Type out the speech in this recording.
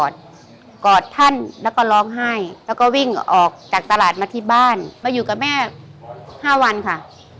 จะติ้งออกจากตลาดมาที่บ้านมาอยู่กับแม่๕วันค่ะ